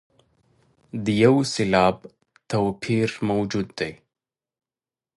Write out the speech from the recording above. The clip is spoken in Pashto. د یو سېلاب توپیر موجود دی.